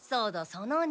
その２。